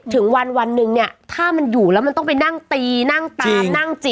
ถึงวันวันหนึ่งเนี่ยถ้ามันอยู่แล้วมันต้องไปนั่งตีนั่งตามนั่งจิ